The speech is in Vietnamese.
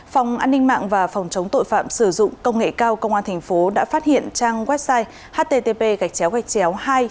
phòng an ninh mạng và phòng chống tội phạm sử dụng công nghệ cao công an tp hcm đã phát hiện trang website